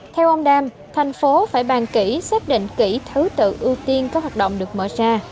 theo ông đam thành phố phải bàn kỹ xác định kỹ thứ tự ưu tiên các hoạt động được mở ra